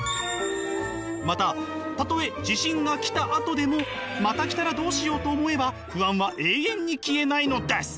またたとえ地震が来たあとでもまた来たらどうしようと思えば不安は永遠に消えないのです。